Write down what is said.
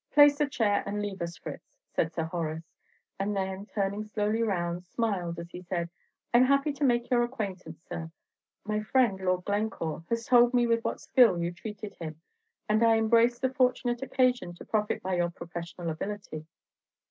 "Place a chair, and leave us, Fritz," said Sir Horace; and then, turning slowly round, smiled as he said, "I'm happy to make your acquaintance, sir. My friend, Lord Glencore, has told me with what skill you treated him, and I embrace the fortunate occasion to profit by your professional ability."